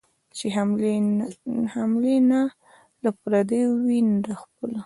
چي حملې نه له پردیو وي نه خپلو